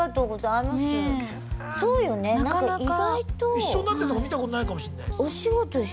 一緒になってるとこ見たことないかもしんないっす。